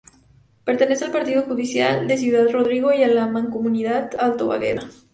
Pertenece al partido judicial de Ciudad Rodrigo y a la Mancomunidad Alto Águeda.